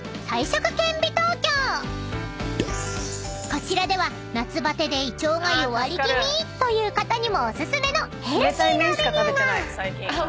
［こちらでは夏バテで胃腸が弱り気味という方にもお薦めのヘルシーなメニューが］